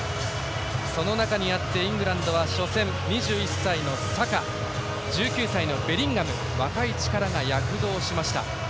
その中にあってイングランドは初戦、２１歳のサカ１９歳のベリンガム若い力が躍動しました。